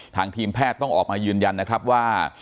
ทีมแพทย์ต้องออกมายืนยันนะครับว่า